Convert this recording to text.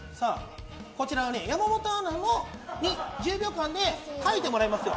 こちら、山本アナに１０秒間で描いてもらいますよ。